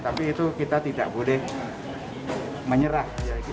tapi itu kita tidak boleh menyerah